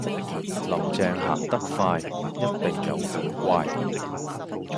林鄭行得快,一定有古怪